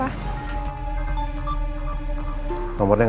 aku udah setuju langsung ikutin suis p